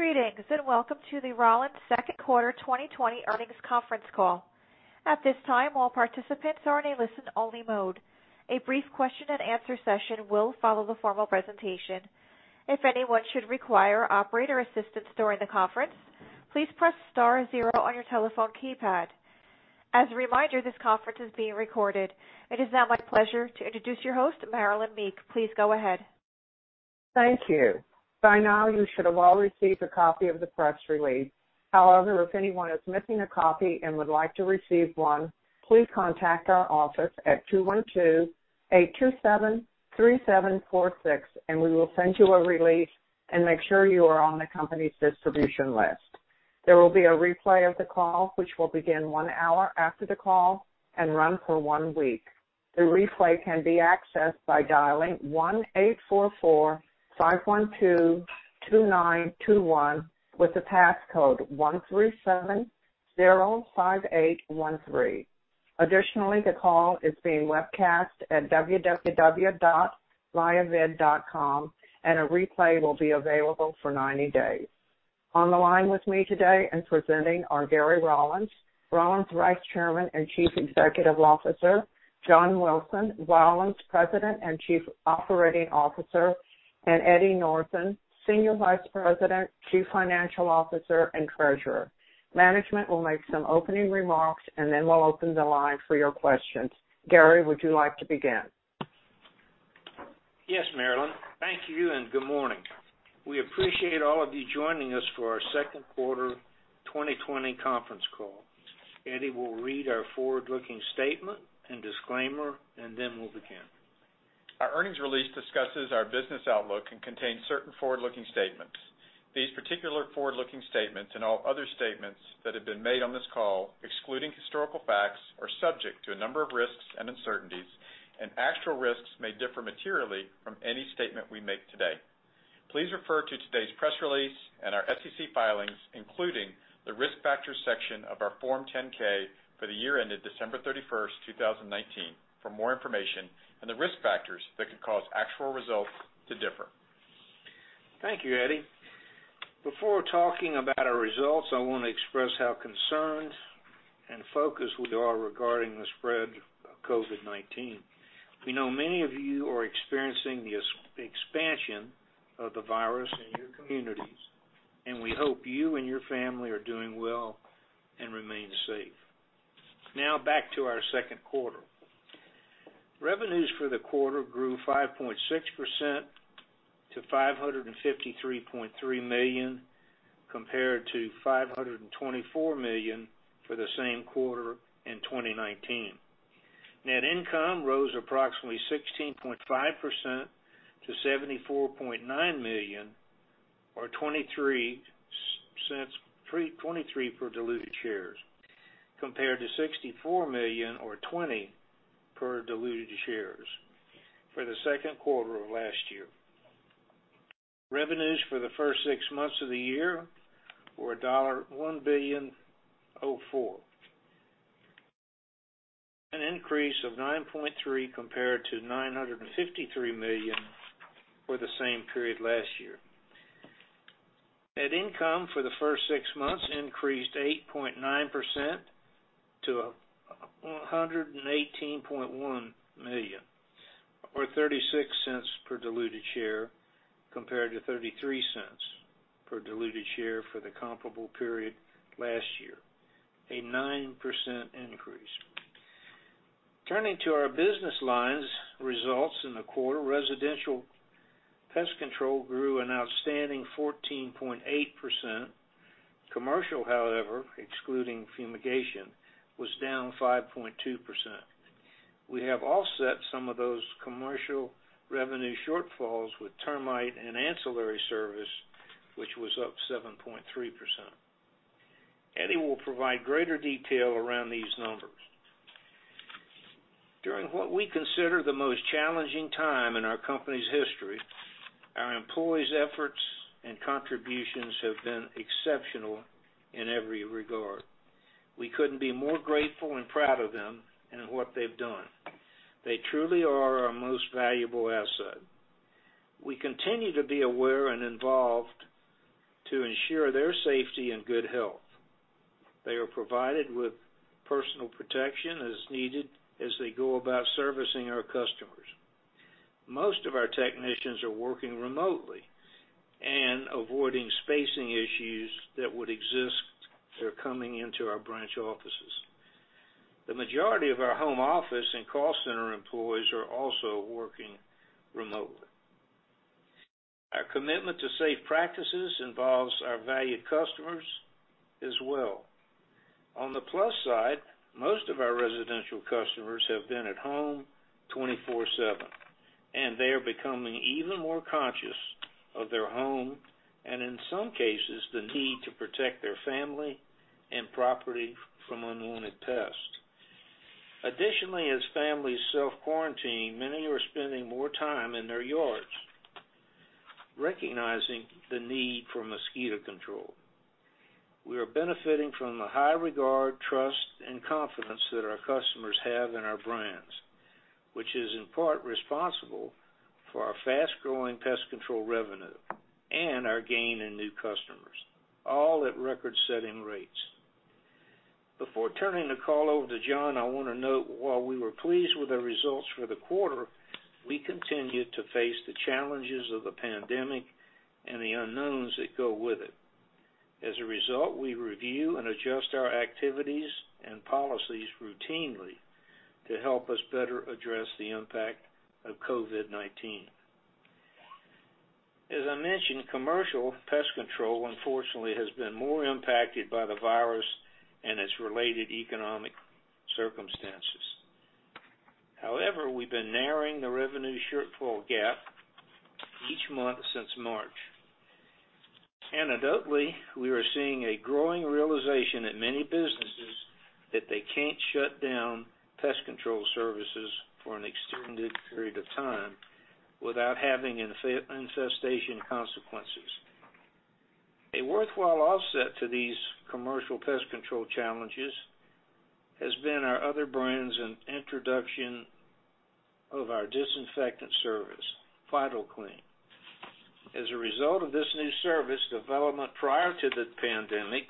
Greetings, and welcome to the Rollins second quarter 2020 earnings conference call. At this time, all participants are in a listen-only mode. A brief question-and-answer session will follow the formal presentation. If anyone should require operator assistance during the conference, please press star zero on your telephone keypad. As a reminder, this conference is being recorded. It is now my pleasure to introduce your host, Marilynn Meek. Please go ahead. Thank you. By now, you should have all received a copy of the press release. However, if anyone is missing a copy and would like to receive one, please contact our office at 212-827-3746, and we will send you a release and make sure you are on the company's distribution list. There will be a replay of the call, which will begin one hour after the call and run for one week. The replay can be accessed by dialing 1-844-512-2921 with the passcode 13705813. Additionally, the call is being webcast at www.viavid.com, and a replay will be available for 90 days. On the line with me today and presenting are Gary Rollins Vice Chairman and Chief Executive Officer, John Wilson, Rollins President and Chief Operating Officer, and Eddie Northen, Senior Vice President, Chief Financial Officer, and Treasurer. Management will make some opening remarks. We'll open the line for your questions. Gary, would you like to begin? Yes, Marilynn. Thank you, and good morning. We appreciate all of you joining us for our second quarter 2020 conference call. Eddie will read our forward-looking statement and disclaimer, and then we'll begin. Our earnings release discusses our business outlook and contains certain forward-looking statements. These particular forward-looking statements, and all other statements that have been made on this call excluding historical facts, are subject to a number of risks and uncertainties, and actual risks may differ materially from any statement we make today. Please refer to today's press release and our SEC filings, including the Risk Factors section of our Form 10-K for the year ended December 31st, 2019, for more information on the risk factors that could cause actual results to differ. Thank you, Eddie. Before talking about our results, I want to express how concerned and focused we are regarding the spread of COVID-19. We know many of you are experiencing the expansion of the virus in your communities, we hope you and your family are doing well and remain safe. Now back to our second quarter. Revenues for the quarter grew 5.6% to $553.3 million, compared to $524 million for the same quarter in 2019. Net income rose approximately 16.5% to $74.9 million, or $0.23 per diluted share, compared to $64 million or $0.20 per diluted share for the second quarter of last year. Revenues for the first six months of the year were $1.04 billion. An increase of 9.3% compared to $953 million for the same period last year. Net income for the first six months increased 8.9% to $118.1 million, or $0.36 per diluted share, compared to $0.33 per diluted share for the comparable period last year. A 9% increase. Turning to our business lines results in the quarter, residential pest control grew an outstanding 14.8%. Commercial, however, excluding fumigation, was down 5.2%. We have offset some of those commercial revenue shortfalls with termite and ancillary service, which was up 7.3%. Eddie will provide greater detail around these numbers. During what we consider the most challenging time in our company's history, our employees' efforts and contributions have been exceptional in every regard. We couldn't be more grateful and proud of them and what they've done. They truly are our most valuable asset. We continue to be aware and involved to ensure their safety and good health. They are provided with personal protection as needed as they go about servicing our customers. Most of our technicians are working remotely and avoiding spacing issues that would exist if they're coming into our branch offices. The majority of our home office and call center employees are also working remotely. Our commitment to safe practices involves our valued customers as well. On the plus side, most of our residential customers have been at home 24/7, and they are becoming even more conscious of their home, and in some cases, the need to protect their family and property from unwanted pests. Additionally, as families self-quarantine, many are spending more time in their yards, recognizing the need for mosquito control. We are benefiting from the high regard, trust and confidence that our customers have in our brands, which is in part responsible for our fast-growing pest control revenue and our gain in new customers, all at record-setting rates. Before turning the call over to John, I want to note, while we were pleased with our results for the quarter, we continue to face the challenges of the pandemic and the unknowns that go with it. As a result, we review and adjust our activities and policies routinely to help us better address the impact of COVID-19. As I mentioned, commercial pest control, unfortunately, has been more impacted by the virus and its related economic circumstances. However, we've been narrowing the revenue shortfall gap each month since March. Anecdotally, we are seeing a growing realization in many businesses that they can't shut down pest control services for an extended period of time without having infestation consequences. A worthwhile offset to these commercial pest control challenges has been our other brands and introduction of our disinfectant service, VitalClean. As a result of this new service development prior to the pandemic,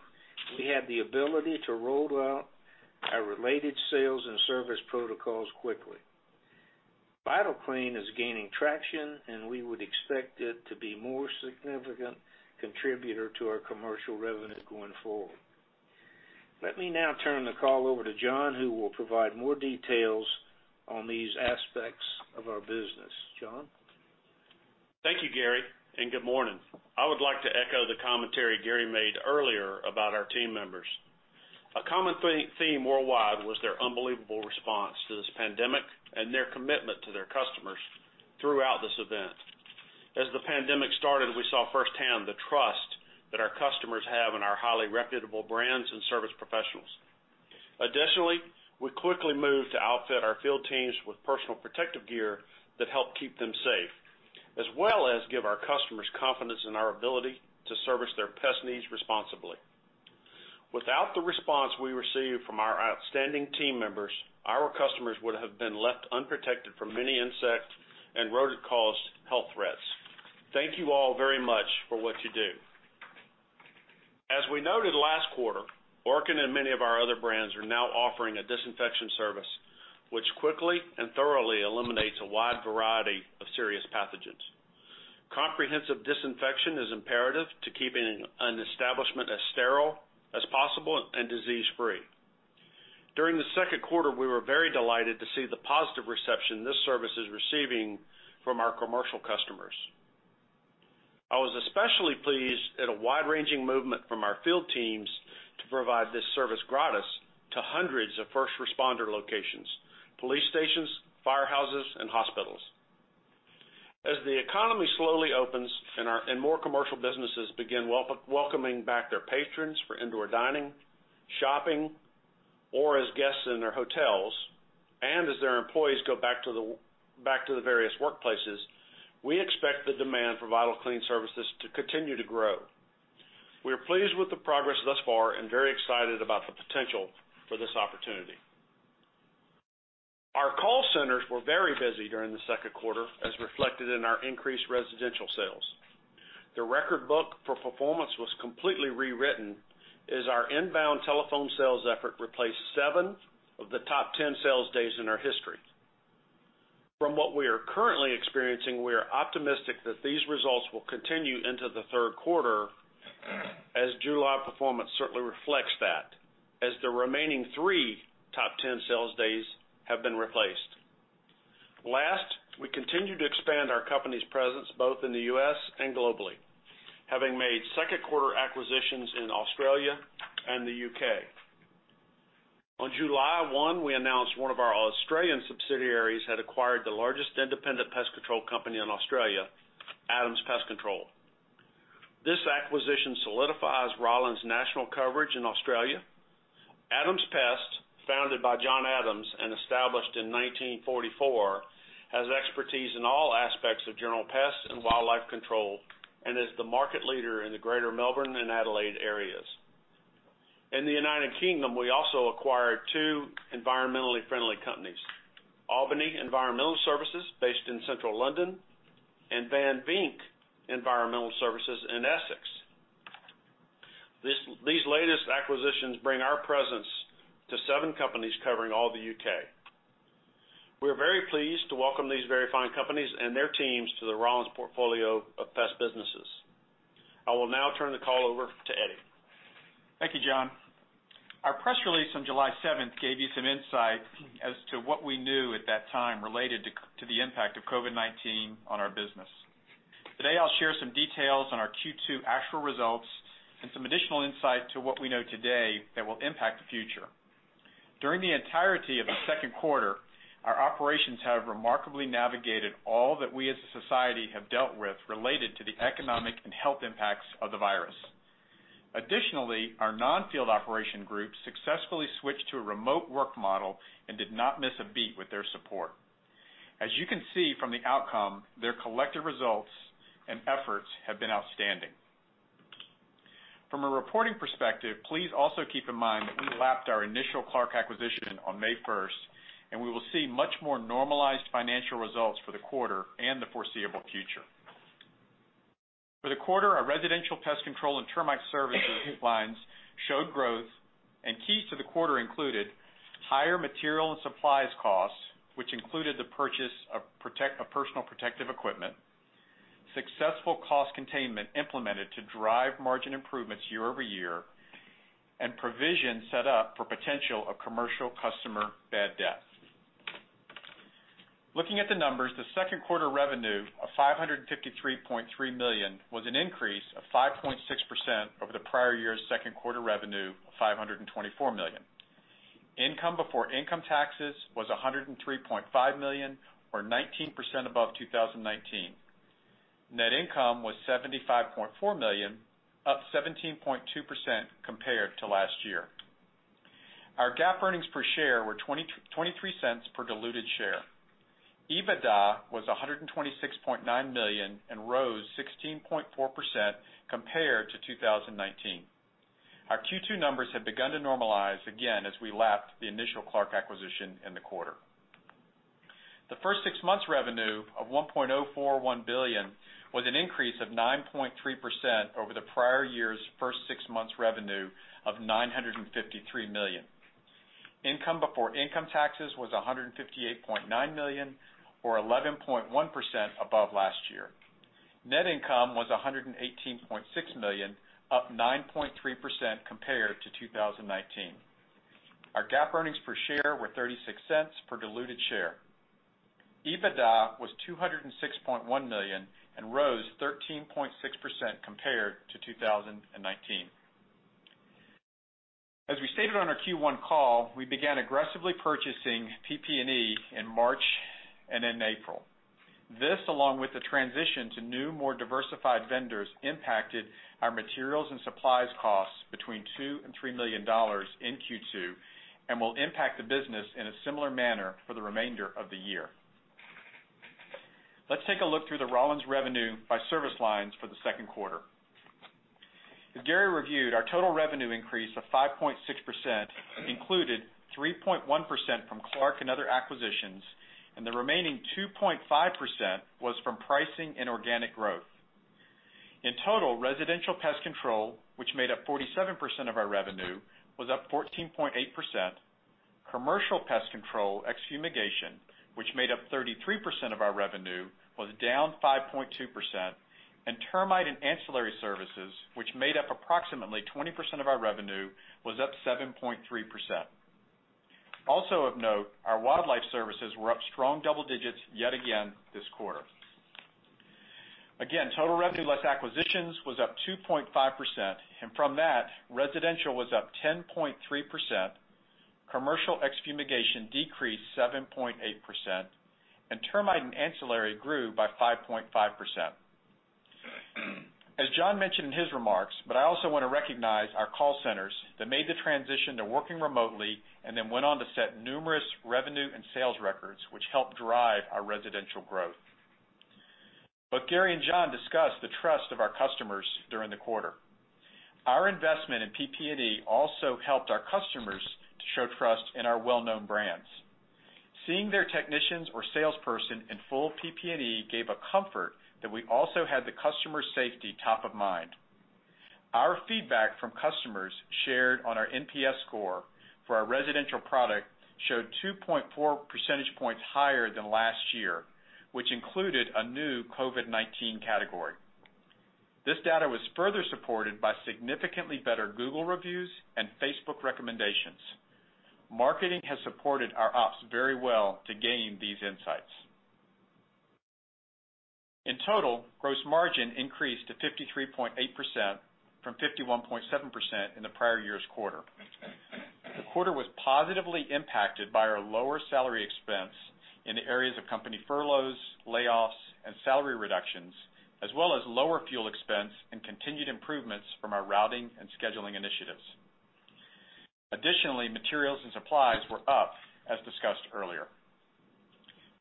we had the ability to roll out our related sales and service protocols quickly. VitalClean is gaining traction, and we would expect it to be more significant contributor to our commercial revenue going forward. Let me now turn the call over to John, who will provide more details on these aspects of our business. John? Thank you, Gary. Good morning. I would like to echo the commentary Gary made earlier about our team members. A common theme worldwide was their unbelievable response to this pandemic and their commitment to their customers throughout this event. As the pandemic started, we saw firsthand the trust that our customers have in our highly reputable brands and service professionals. Additionally, we quickly moved to outfit our field teams with personal protective gear that helped keep them safe, as well as give our customers confidence in our ability to service their pest needs responsibly. Without the response we received from our outstanding team members, our customers would have been left unprotected from many insect and rodent-caused health threats. Thank you all very much for what you do. As we noted last quarter, Orkin and many of our other brands are now offering a disinfection service, which quickly and thoroughly eliminates a wide variety of serious pathogens. Comprehensive disinfection is imperative to keeping an establishment as sterile as possible and disease-free. During the second quarter, we were very delighted to see the positive reception this service is receiving from our commercial customers. I was especially pleased at a wide-ranging movement from our field teams to provide this service gratis to hundreds of first responder locations, police stations, firehouses, and hospitals. As the economy slowly opens and more commercial businesses begin welcoming back their patrons for indoor dining, shopping, or as guests in their hotels, and as their employees go back to the various workplaces, we expect the demand for VitalClean services to continue to grow. We are pleased with the progress thus far and very excited about the potential for this opportunity. Our call centers were very busy during the second quarter, as reflected in our increased residential sales. The record book for performance was completely rewritten, as our inbound telephone sales effort replaced seven of the top 10 sales days in our history. From what we are currently experiencing, we are optimistic that these results will continue into the third quarter as July performance certainly reflects that, as the remaining three top 10 sales days have been replaced. Last, we continue to expand our company's presence both in the U.S. and globally, having made second quarter acquisitions in Australia and the U.K. On July 1, we announced one of our Australian subsidiaries had acquired the largest independent pest control company in Australia, Adams Pest Control. This acquisition solidifies Rollins' national coverage in Australia. Adams Pest, founded by John Adams and established in 1944, has expertise in all aspects of general pest and wildlife control and is the market leader in the greater Melbourne and Adelaide areas. In the U.K., we also acquired two environmentally friendly companies, Albany Environmental Services based in Central London, and Van Vynck Environmental Services in Essex. These latest acquisitions bring our presence to seven companies covering all the U.K. We are very pleased to welcome these very fine companies and their teams to the Rollins portfolio of pest businesses. I will now turn the call over to Eddie. Thank you, John. Our press release on July 7th gave you some insight as to what we knew at that time related to the impact of COVID-19 on our business. Today, I'll share some details on our Q2 actual results and some additional insight to what we know today that will impact the future. During the entirety of the second quarter, our operations have remarkably navigated all that we as a society have dealt with related to the economic and health impacts of the virus. Additionally, our non-field operation group successfully switched to a remote work model and did not miss a beat with their support. As you can see from the outcome, their collective results and efforts have been outstanding. From a reporting perspective, please also keep in mind that we lapped our initial Clark acquisition on May 1st, and we will see much more normalized financial results for the quarter and the foreseeable future. For the quarter, our residential pest control and termite service lines showed growth, and key to the quarter included higher material and supplies costs, which included the purchase of personal protective equipment, successful cost containment implemented to drive margin improvements year-over-year, and provisions set up for potential of commercial customer bad debt. Looking at the numbers, the second quarter revenue of $553.3 million was an increase of 5.6% over the prior year's second quarter revenue of $524 million. Income before income taxes was $103.5 million or 19% above 2019. Net income was $75.4 million, up 17.2% compared to last year. Our GAAP earnings per share were $0.23 per diluted share. EBITDA was $126.9 million and rose 16.4% compared to 2019. Our Q2 numbers have begun to normalize again as we lapped the initial Clark acquisition in the quarter. The first six months revenue of $1.041 billion was an increase of 9.3% over the prior year's first six months revenue of $953 million. Income before income taxes was $158.9 million, or 11.1% above last year. Net income was $118.6 million, up 9.3% compared to 2019. Our GAAP earnings per share were $0.36 per diluted share. EBITDA was $206.1 million and rose 13.6% compared to 2019. As we stated on our Q1 call, we began aggressively purchasing PP&E in March and in April. This, along with the transition to new, more diversified vendors, impacted our materials and supplies costs between $2 million and $3 million in Q2 and will impact the business in a similar manner for the remainder of the year. Let's take a look through the Rollins revenue by service lines for the second quarter. As Gary reviewed, our total revenue increase of 5.6% included 3.1% from Clark and other acquisitions. The remaining 2.5% was from pricing and organic growth. In total, residential pest control, which made up 47% of our revenue, was up 14.8%. Commercial pest control, ex-fumigation, which made up 33% of our revenue, was down 5.2%. Termite and ancillary services, which made up approximately 20% of our revenue, was up 7.3%. Also of note, our wildlife services were up strong double digits yet again this quarter. Total revenue less acquisitions was up 2.5%, and from that, residential was up 10.3%, commercial ex-fumigation decreased 7.8%, and termite and ancillary grew by 5.5%. As John mentioned in his remarks, but I also want to recognize our call centers that made the transition to working remotely and then went on to set numerous revenue and sales records, which helped drive our residential growth. Both Gary and John discussed the trust of our customers during the quarter. Our investment in PP&E also helped our customers to show trust in our well-known brands. Seeing their technicians or salesperson in full PP&E gave a comfort that we also had the customer's safety top of mind. Our feedback from customers shared on our NPS score for our residential product showed 2.4 percentage points higher than last year, which included a new COVID-19 category. This data was further supported by significantly better Google reviews and Facebook recommendations. Marketing has supported our ops very well to gain these insights. In total, gross margin increased to 53.8% from 51.7% in the prior year's quarter. The quarter was positively impacted by our lower salary expense in the areas of company furloughs, layoffs, and salary reductions, as well as lower fuel expense and continued improvements from our routing and scheduling initiatives. Additionally, materials and supplies were up, as discussed earlier.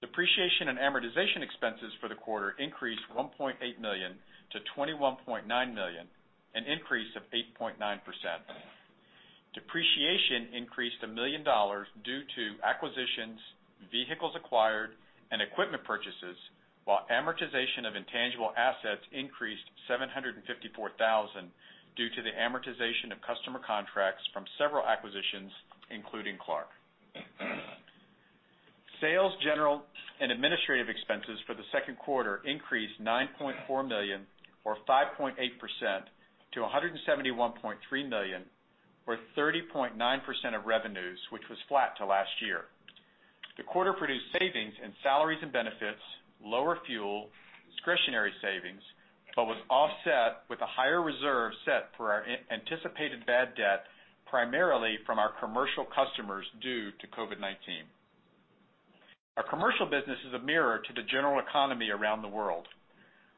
Depreciation and amortization expenses for the quarter increased $1.8 million to $21.9 million, an increase of 8.9%. Depreciation increased $1 million due to acquisitions, vehicles acquired, and equipment purchases, while amortization of intangible assets increased $754,000 due to the amortization of customer contracts from several acquisitions, including Clark. Sales, general, and administrative expenses for the second quarter increased $9.4 million or 5.8% to $171.3 million or 30.9% of revenues, which was flat to last year. The quarter produced savings in salaries and benefits, lower fuel, discretionary savings, but was offset with a higher reserve set for our anticipated bad debt, primarily from our commercial customers due to COVID-19. Our commercial business is a mirror to the general economy around the world.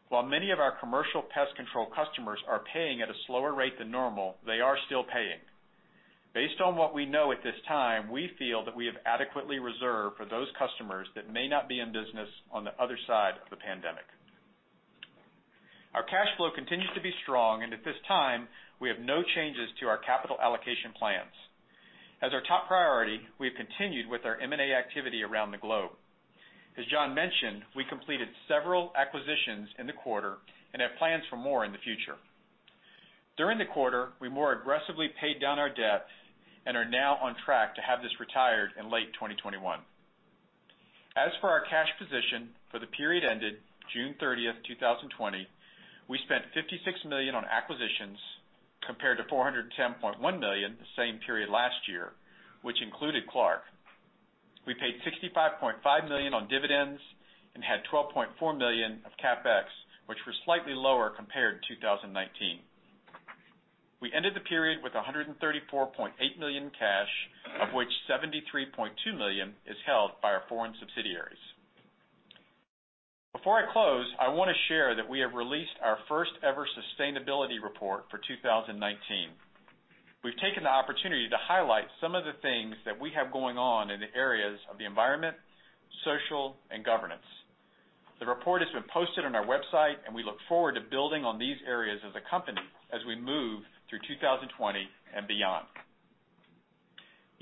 While many of our commercial pest control customers are paying at a slower rate than normal, they are still paying. Based on what we know at this time, we feel that we have adequately reserved for those customers that may not be in business on the other side of the pandemic. Our cash flow continues to be strong, and at this time, we have no changes to our capital allocation plans. As our top priority, we have continued with our M&A activity around the globe. As John mentioned, we completed several acquisitions in the quarter and have plans for more in the future. During the quarter, we more aggressively paid down our debt and are now on track to have this retired in late 2021. As for our cash position for the period ended June 30th, 2020, we spent $56 million on acquisitions compared to $410.1 million the same period last year, which included Clark. We paid $65.5 million on dividends and had $12.4 million of CapEx, which were slightly lower compared to 2019. We ended the period with $134.8 million in cash, of which $73.2 million is held by our foreign subsidiaries. Before I close, I want to share that we have released our first ever sustainability report for 2019. We've taken the opportunity to highlight some of the things that we have going on in the areas of the environment, social, and governance. The report has been posted on our website. We look forward to building on these areas as a company as we move through 2020 and beyond.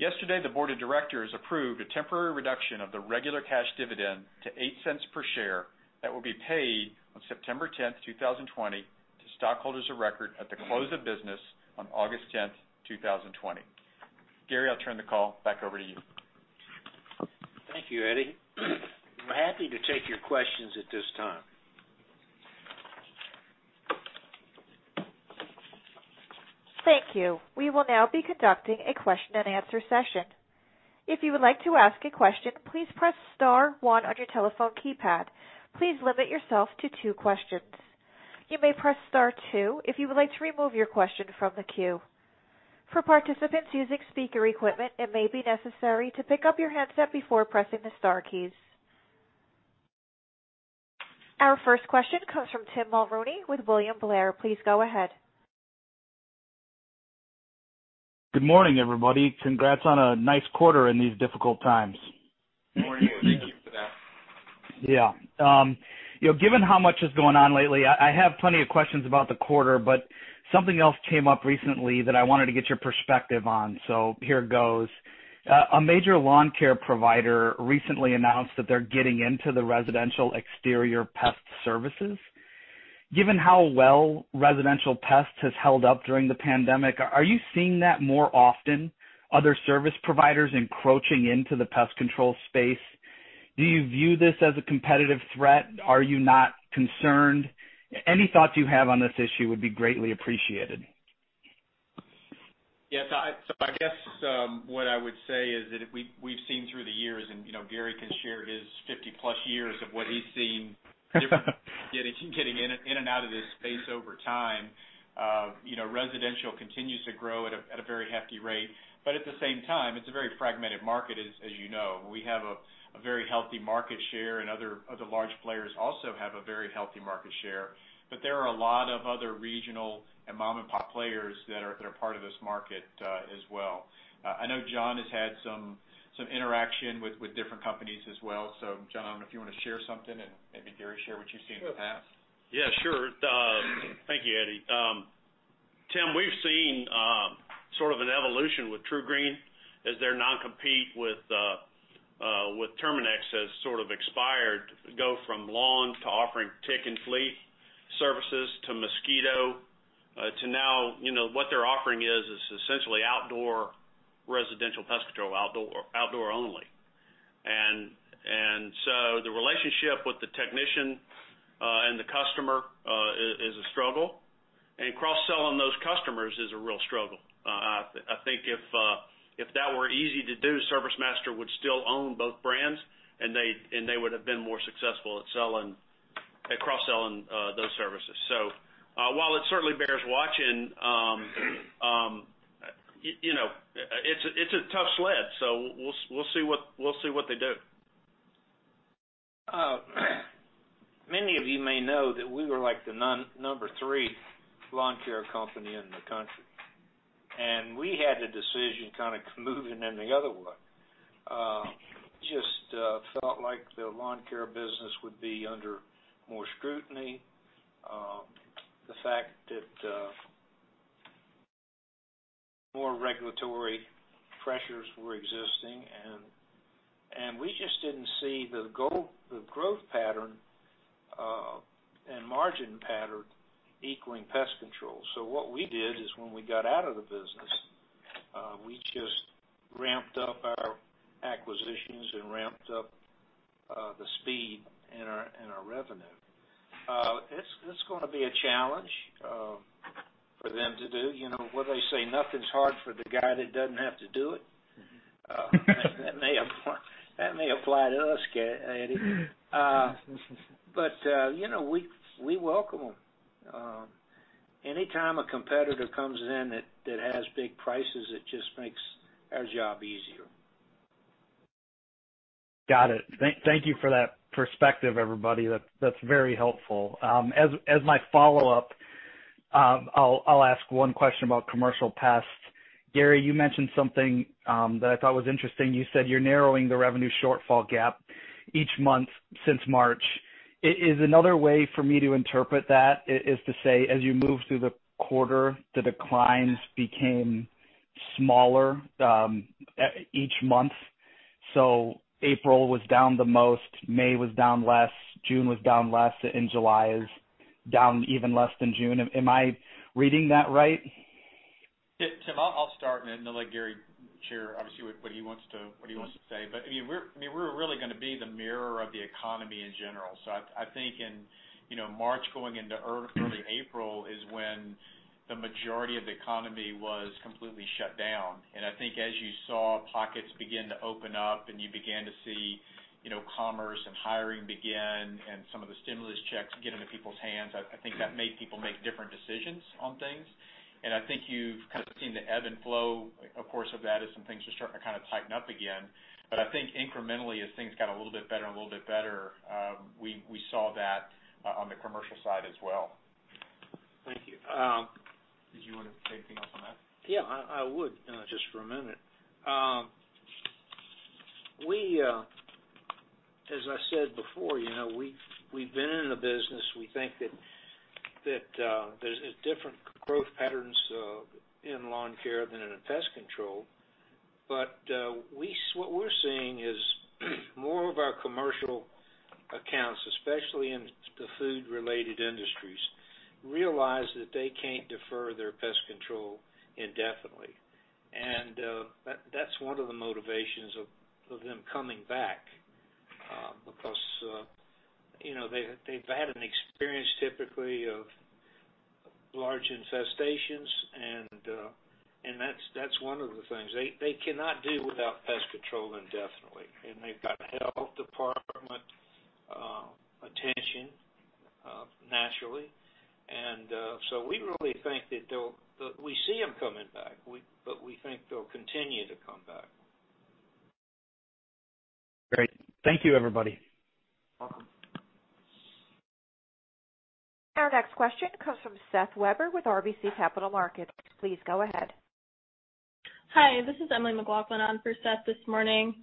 Yesterday, the board of directors approved a temporary reduction of the regular cash dividend to $0.08 per share that will be paid on September 10, 2020, to stockholders of record at the close of business on August 10, 2020. Gary, I'll turn the call back over to you. Thank you, Eddie. I'm happy to take your questions at this time. Thank you. We will now be conducting a question and answer session. If you would like to ask a question, please press star one on your telephone keypad. Please limit yourself to two questions. You may press star two if you would like to remove your question from the queue. For participants using speaker equipment, it may be necessary to pick up your handset before pressing the star keys. Our first question comes from Tim Mulrooney with William Blair. Please go ahead. Good morning, everybody. Congrats on a nice quarter in these difficult times. Morning, and thank you for that. Yeah. Given how much is going on lately, I have plenty of questions about the quarter, but something else came up recently that I wanted to get your perspective on. Here goes. A major lawn care provider recently announced that they're getting into the residential exterior pest services. Given how well residential pest has held up during the pandemic, are you seeing that more often, other service providers encroaching into the pest control space? Do you view this as a competitive threat? Are you not concerned? Any thoughts you have on this issue would be greatly appreciated. Yes. I guess what I would say is that we've seen through the years, and Gary can share his 50-plus years of what he's seen getting in and out of this space over time. Residential continues to grow at a very hefty rate, but at the same time, it's a very fragmented market, as you know. We have a very healthy market share, and other large players also have a very healthy market share. There are a lot of other regional and mom-and-pop players that are part of this market as well. I know John has had some interaction with different companies as well. John, if you want to share something, and maybe Gary share what you've seen in the past? Yeah, sure. Thank you, Eddie. Tim, we've seen sort of an evolution with TruGreen as their non-compete with Terminix has sort of expired, go from lawn to offering tick and flea services to mosquito to now what they're offering is essentially outdoor residential pest control, outdoor only. The relationship with the technician and the customer is a struggle, and cross-selling those customers is a real struggle. I think if that were easy to do, ServiceMaster would still own both brands, and they would've been more successful at cross-selling those services. While it certainly bears watching, it's a tough sled. We'll see what they do. Many of you may know that we were the number three lawn care company in the country, and we had the decision kind of moving in the other way. Just felt like the lawn care business would be under more scrutiny. The fact that more regulatory pressures were existing, we just didn't see the growth pattern and margin pattern equaling pest control. What we did is when we got out of the business, we just ramped up our acquisitions and ramped up the speed and our revenue. It's going to be a challenge for them to do. What do they say? Nothing's hard for the guy that doesn't have to do it. That may apply to us, Eddie. We welcome them. Anytime a competitor comes in that has big prices, it just makes our job easier. Got it. Thank you for that perspective, everybody. That's very helpful. As my follow-up, I'll ask one question about commercial pest. Gary, you mentioned something that I thought was interesting. You said you're narrowing the revenue shortfall gap each month since March. Is another way for me to interpret that is to say, as you move through the quarter, the declines became smaller each month? April was down the most, May was down less, June was down less, and July is down even less than June. Am I reading that right? Tim, I'll start and then I'll let Gary share, obviously, what he wants to say. We're really going to be the mirror of the economy in general. I think in March going into early April is when the majority of the economy was completely shut down. I think as you saw pockets begin to open up and you began to see commerce and hiring begin and some of the stimulus checks get into people's hands, I think that made people make different decisions on things. I think you've kind of seen the ebb and flow, of course, of that as some things are starting to kind of tighten up again. I think incrementally, as things got a little bit better and a little bit better, we saw that on the commercial side as well. Thank you. Did you want to say anything else on that? I would, just for a minute. As I said before, we've been in the business. We think that there's different growth patterns in lawn care than in pest control. What we're seeing is more of our commercial accounts, especially in the food-related industries, realize that they can't defer their pest control indefinitely. That's one of the motivations of them coming back, because they've had an experience typically of large infestations, and that's one of the things. They cannot do without pest control indefinitely, and they've got health department attention, naturally. We really think that we see them coming back, but we think they'll continue to come back. Great. Thank you, everybody. Welcome. Our next question comes from Seth Weber with RBC Capital Markets. Please go ahead. Hi, this is Emily McLaughlin on for Seth this morning.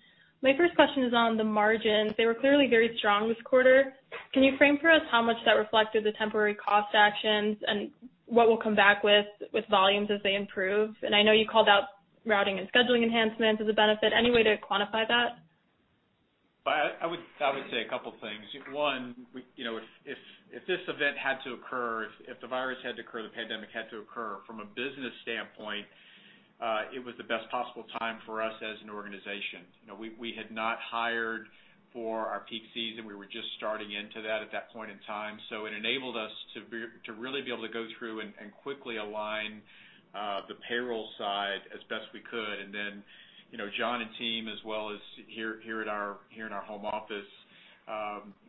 My first question is on the margins. They were clearly very strong this quarter. Can you frame for us how much that reflected the temporary cost actions and what we'll come back with volumes as they improve? I know you called out routing and scheduling enhancements as a benefit. Any way to quantify that? I would say a couple things. One, if this event had to occur, if the virus had to occur, the pandemic had to occur, from a business standpoint, it was the best possible time for us as an organization. We had not hired for our peak season. We were just starting into that at that point in time. It enabled us to really be able to go through and quickly align the payroll side as best we could. Then John and team, as well as here in our home office,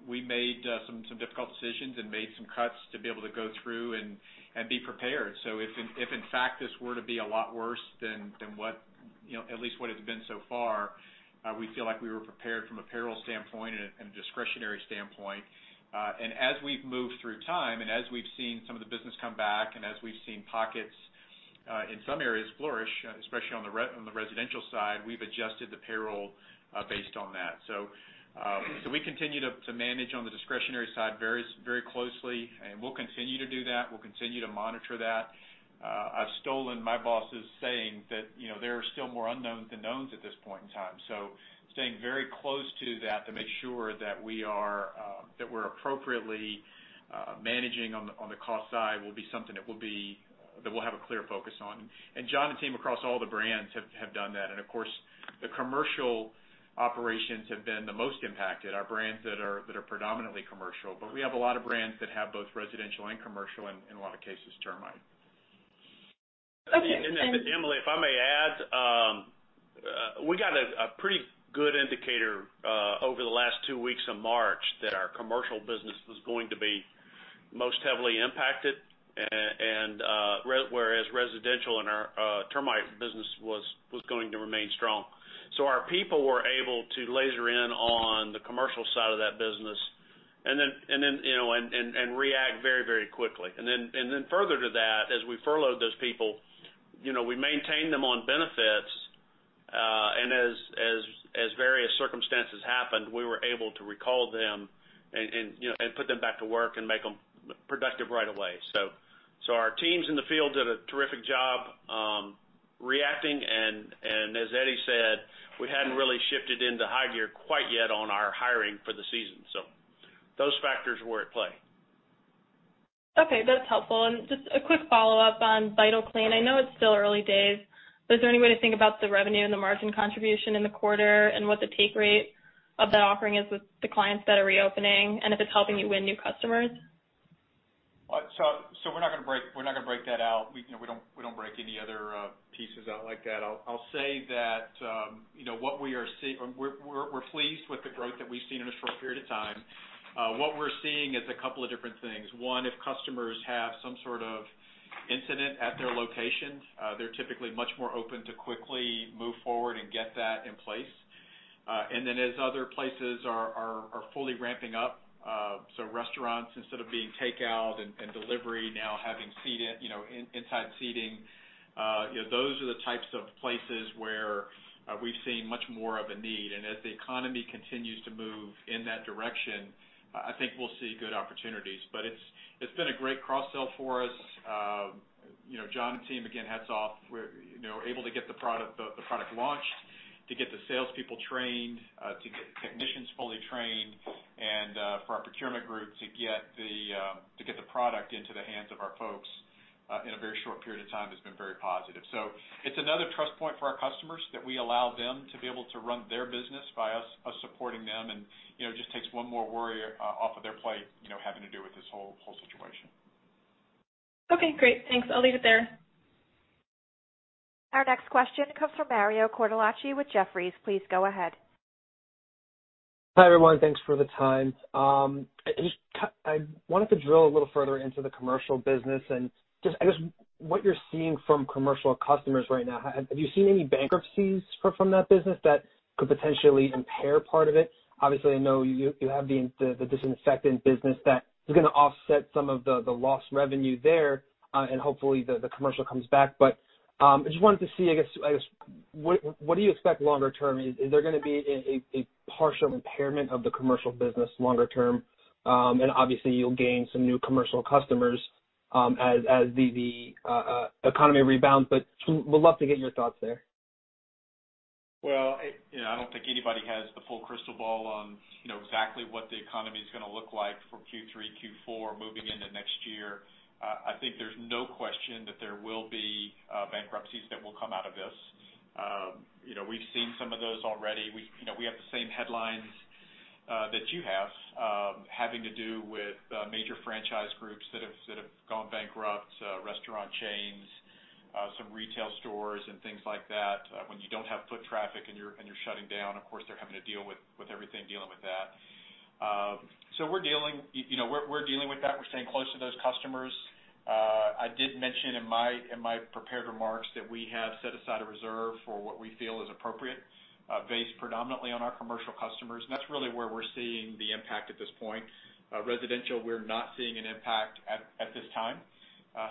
we made some difficult decisions and made some cuts to be able to go through and be prepared. If in fact this were to be a lot worse than at least what it's been so far, we feel like we were prepared from a payroll standpoint and a discretionary standpoint. As we've moved through time and as we've seen some of the business come back and as we've seen pockets in some areas flourish, especially on the residential side, we've adjusted the payroll based on that. We continue to manage on the discretionary side very closely, and we'll continue to do that. We'll continue to monitor that. I've stolen my boss's saying that there are still more unknowns than knowns at this point in time. Staying very close to that to make sure that we're appropriately managing on the cost side will be something that we'll have a clear focus on. John and team across all the brands have done that. Of course, the commercial operations have been the most impacted, our brands that are predominantly commercial. We have a lot of brands that have both residential and commercial, and in a lot of cases, termite. Okay. Emily, if I may add, we got a pretty good indicator over the last two weeks of March that our commercial business was going to be most heavily impacted, whereas residential and our termite business was going to remain strong. Our people were able to laser in on the commercial side of that business and react very quickly. Further to that, as we furloughed those people, we maintained them on benefits. As various circumstances happened, we were able to recall them and put them back to work and make them productive right away. Our teams in the field did a terrific job reacting, and as Eddie said, we hadn't really shifted into high gear quite yet on our hiring for the season. Those factors were at play. Okay. That's helpful. Just a quick follow-up on VitalClean. I know it's still early days, but is there any way to think about the revenue and the margin contribution in the quarter and what the take rate of that offering is with the clients that are reopening, and if it's helping you win new customers? We're not going to break that out. We don't break any other pieces out like that. I'll say that we're pleased with the growth that we've seen in a short period of time. What we're seeing is a couple of different things. One, if customers have some sort of incident at their location, they're typically much more open to quickly move forward and get that in place. Then as other places are fully ramping up, so restaurants instead of being takeout and delivery now having inside seating, those are the types of places where we've seen much more of a need. As the economy continues to move in that direction, I think we'll see good opportunities. It's been a great cross-sell for us. John and team, again, hats off. We're able to get the product launched, to get the salespeople trained, to get technicians fully trained, and for our procurement group to get the product into the hands of our folks in a very short period of time has been very positive. It's another trust point for our customers that we allow them to be able to run their business by us supporting them, and it just takes one more worry off of their plate, having to do with this whole situation. Okay, great. Thanks. I'll leave it there. Our next question comes from Mario Cordolacci with Jefferies. Please go ahead. Hi, everyone. Thanks for the time. I wanted to drill a little further into the commercial business and just, I guess, what you're seeing from commercial customers right now. Have you seen any bankruptcies from that business that could potentially impair part of it? Obviously, I know you have the disinfectant business that is going to offset some of the lost revenue there, and hopefully the commercial comes back. I just wanted to see, I guess, what do you expect longer term? Is there going to be a partial impairment of the commercial business longer term? Obviously you'll gain some new commercial customers as the economy rebounds, but would love to get your thoughts there. Well, I don't think anybody has the full crystal ball on exactly what the economy's going to look like for Q3, Q4 moving into next year. I think there's no question that there will be bankruptcies that will come out of this. We've seen some of those already. We have the same headlines that you have, having to do with major franchise groups that have gone bankrupt, restaurant chains, some retail stores, and things like that. When you don't have foot traffic and you're shutting down, of course, they're having to deal with everything dealing with that. We're dealing with that. We're staying close to those customers. I did mention in my prepared remarks that we have set aside a reserve for what we feel is appropriate, based predominantly on our commercial customers, and that's really where we're seeing the impact at this point. Residential, we're not seeing an impact at this time,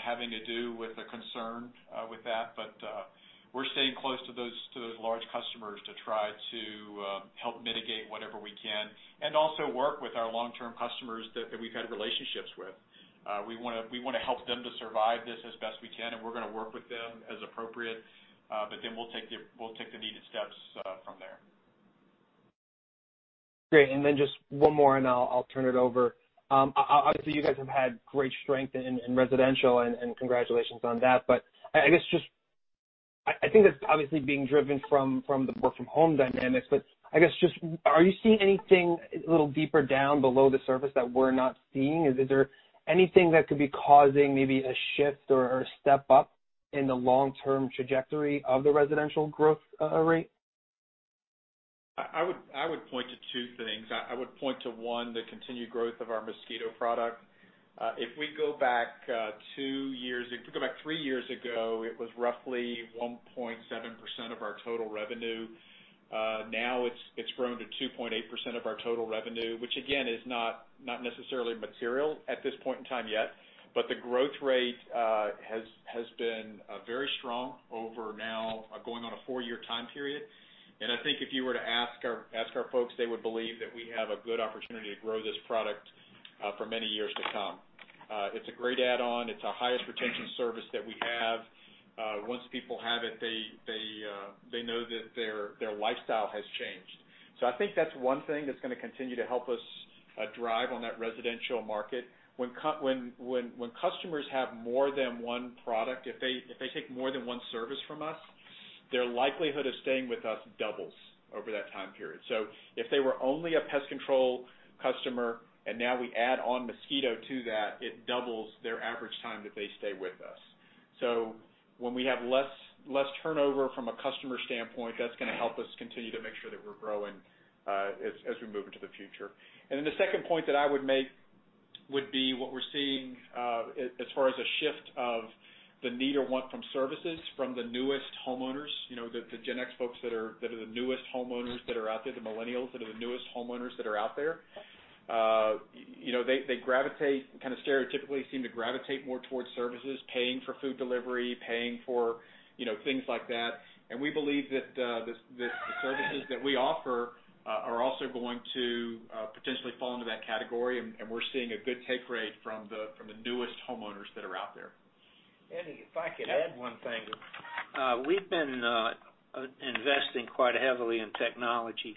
having to do with the concern with that. We're staying close to those large customers to try to help mitigate whatever we can and also work with our long-term customers that we've had relationships with. We want to help them to survive this as best we can, and we're going to work with them as appropriate. We'll take the needed steps from there. Great. Then just one more, and I'll turn it over. Obviously, you guys have had great strength in residential, and congratulations on that. I guess just, I think that's obviously being driven from the work from home dynamics, but I guess just, are you seeing anything a little deeper down below the surface that we're not seeing? Is there anything that could be causing maybe a shift or a step-up in the long-term trajectory of the residential growth rate? I would point to two things. I would point to one, the continued growth of our mosquito product. If we go back three years ago, it was roughly 1.7% of our total revenue. Now it's grown to 2.8% of our total revenue, which again, is not necessarily material at this point in time yet, but the growth rate has been very strong over now going on a four-year time period. I think if you were to ask our folks, they would believe that we have a good opportunity to grow this product for many years to come. It's a great add-on. It's our highest retention service that we have. Once people have it, they know that their lifestyle has changed. I think that's one thing that's going to continue to help us drive on that residential market. When customers have more than one product, if they take more than one service from us, their likelihood of staying with us doubles over that time period. If they were only a pest control customer, and now we add on mosquito to that, it doubles their average time that they stay with us. When we have less turnover from a customer standpoint, that's going to help us continue to make sure that we're growing as we move into the future. The second point that I would make would be what we're seeing as far as a shift of the need or want from services from the newest homeowners, the Gen X folks that are the newest homeowners that are out there, the millennials that are the newest homeowners that are out there. They gravitate, kind of stereotypically seem to gravitate more towards services, paying for food delivery, paying for things like that. We believe that the services that we offer are also going to potentially fall into that category, and we're seeing a good take rate from the newest homeowners that are out there. Eddie, if I could add one thing. We've been investing quite heavily in technology,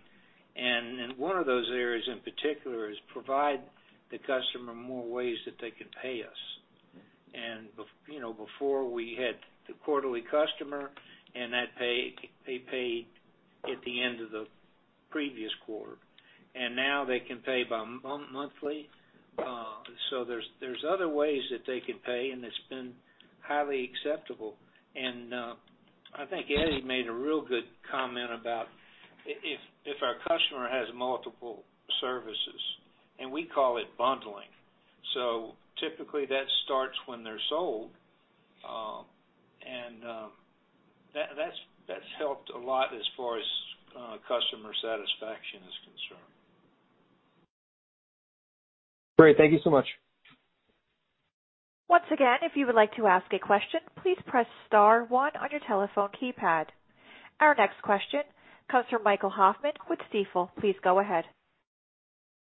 one of those areas in particular is provide the customer more ways that they can pay us. Before we had the quarterly customer and they paid at the end of the previous quarter. Now they can pay monthly. There's other ways that they can pay, and it's been highly acceptable. I think Eddie made a real good comment about if our customer has multiple services, and we call it bundling. Typically, that starts when they're sold. That's helped a lot as far as customer satisfaction is concerned. Great. Thank you so much. Once again, if you would like to ask a question, please press star one on your telephone keypad. Our next question comes from Michael Hoffman with Stifel. Please go ahead.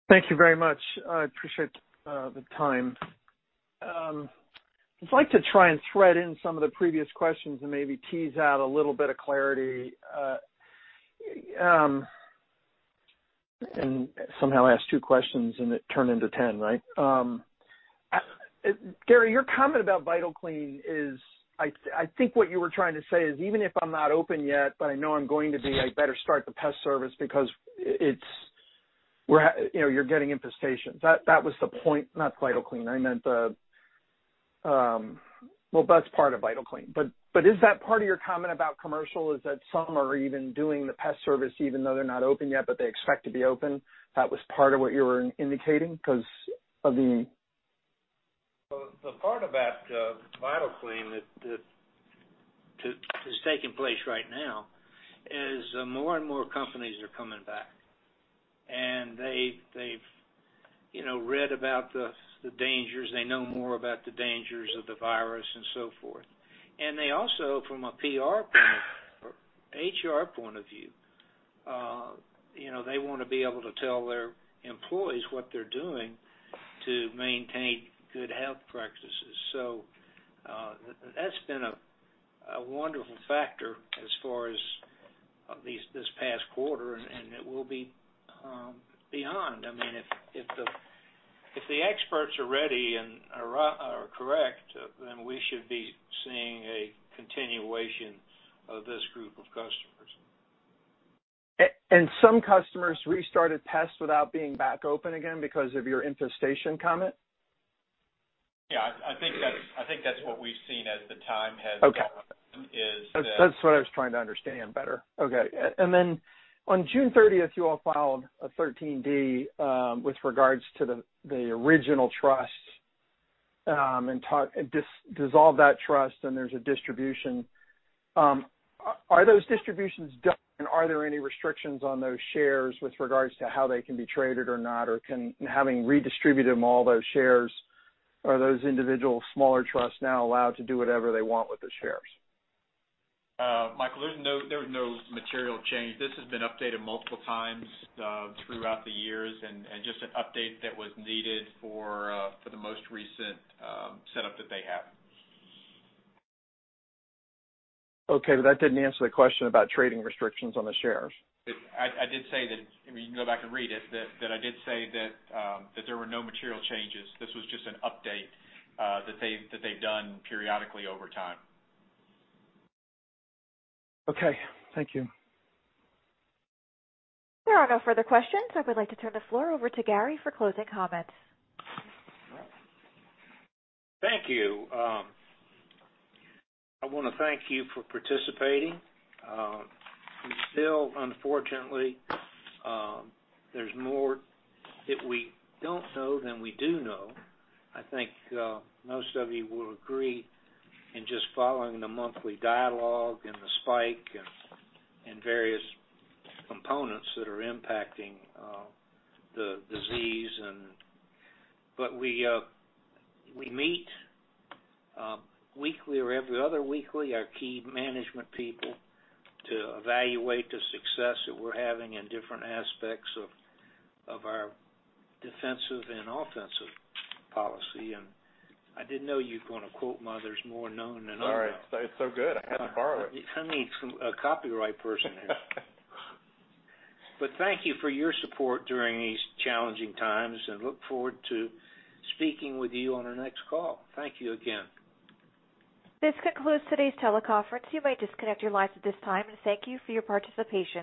Thank you very much. I appreciate the time. I'd like to try and thread in some of the previous questions and maybe tease out a little bit of clarity, and somehow ask two questions and it turn into 10, right? Gary, your comment about VitalClean is, I think what you were trying to say is, even if I'm not open yet, but I know I'm going to be, I better start the pest service because you're getting infestations. That was the point, not VitalClean. Well, that's part of VitalClean. Is that part of your comment about commercial, is that some are even doing the pest service even though they're not open yet, but they expect to be open? That was part of what you were indicating because of the. The part about VitalClean that is taking place right now is more and more companies are coming back, and they've read about the dangers. They know more about the dangers of the virus and so forth. They also, from a PR point or HR point of view, they want to be able to tell their employees what they're doing to maintain good health practices. That's been a wonderful factor as far as this past quarter, and it will be beyond. If the experts are ready and are correct, then we should be seeing a continuation of this group of customers. Some customers restarted pests without being back open again because of your infestation comment? Yeah. I think that's what we've seen as the time has gone is that. Okay. That's what I was trying to understand better. Okay. On June 30th, you all filed a 13D with regards to the original trust and dissolved that trust, and there's a distribution. Are those distributions done? Are there any restrictions on those shares with regards to how they can be traded or not? Having redistributed all those shares, are those individual smaller trusts now allowed to do whatever they want with the shares? Michael, there was no material change. This has been updated multiple times throughout the years and just an update that was needed for the most recent setup that they have. Okay. That didn't answer the question about trading restrictions on the shares. You can go back and read it, that I did say that there were no material changes. This was just an update that they've done periodically over time. Okay. Thank you. There are no further questions. I would like to turn the floor over to Gary for closing comments. Thank you. I want to thank you for participating. Unfortunately, there's more that we don't know than we do know. I think most of you will agree in just following the monthly dialogue and the spike and various components that are impacting the disease. We meet weekly or every other weekly, our key management people, to evaluate the success that we're having in different aspects of our defensive and offensive policy. I didn't know you were going to quote mine. There's more known than unknown. Sorry. It's so good. I had to borrow it. I need a copyright person here. Thank you for your support during these challenging times, and look forward to speaking with you on our next call. Thank you again. This concludes today's teleconference. You may disconnect your lines at this time, and thank you for your participation.